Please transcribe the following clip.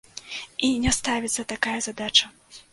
І не ставіцца такая задача.